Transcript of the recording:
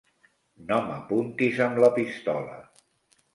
No m'apuntis amb la pistola.